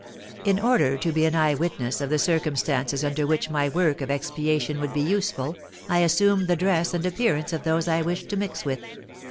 In order to be an eye witness of the circumstances under which my work of expiation would be useful, I assumed the dress and appearance of those I wished to mix with.